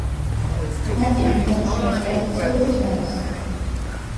ნაწილი ინარჩუნებს ტრადიციულ რწმენას.